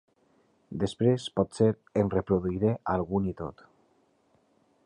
Després potser en reproduiré algun i tot.